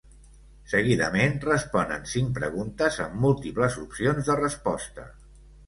Seguidament responen cinc preguntes amb múltiples opcions de resposta.